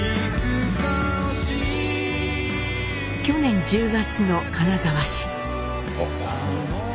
去年１０月の金沢市。